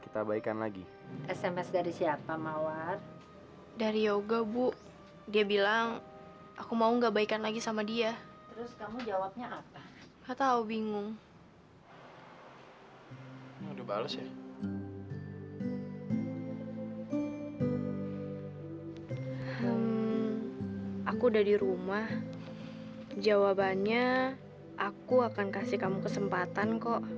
thanks udah kasih aku kesempatan